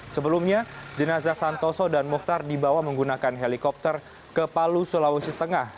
sebelumnya jenazah santoso dan muhtar dibawa menggunakan helikopter ke palu sulawesi tengah